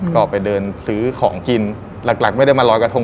ก็ไปเดินซื้อของกินหลักไม่ได้มาลอยกระทง